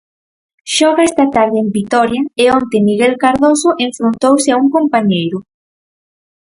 Xoga esta tarde en Vitoria e onte Miguel Cardoso enfrontouse a un compañeiro.